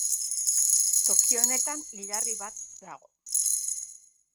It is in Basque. Toki honetan hilarri bat dago.